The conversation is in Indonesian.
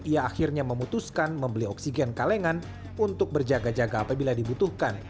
ia akhirnya memutuskan membeli oksigen kalengan untuk berjaga jaga apabila dibutuhkan